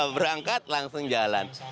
berangkat langsung jalan